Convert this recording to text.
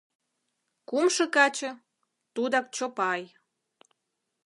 Кумшо каче, тудак Чопай.